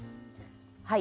はい。